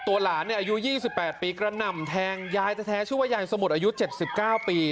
หลานอายุ๒๘ปีกระหน่ำแทงยายแท้ชื่อว่ายายสมุทรอายุ๗๙ปี